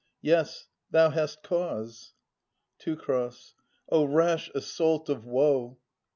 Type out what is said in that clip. Yes; thou hast cause — Teu. O rash assault of woe